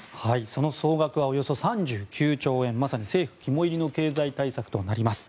その総額はおよそ３９兆円まさに政府肝煎りの経済対策となります。